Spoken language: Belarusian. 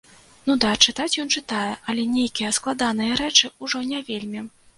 Ну да, чытаць ён чытае, але нейкія складаныя рэчы ўжо не вельмі.